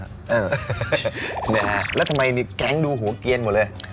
คุณชันแล้วทำไมมีแก๊งดูหัวเกียรติหมดเลย